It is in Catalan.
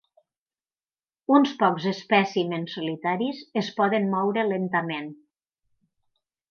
Uns pocs espècimens solitaris es poden moure lentament.